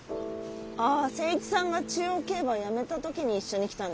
あ誠一さんが中央競馬辞めた時に一緒に来たんですか？